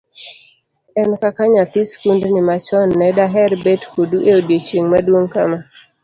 an kaka nyadhi skundni machon ne daher bet kodu e odiochieng' maduong' kama